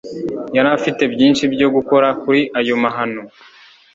Yari afite byinshi byo gukora kuri ayo mahano.